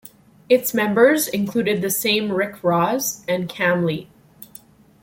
Its members included the same Rick Rozz and Kam Lee.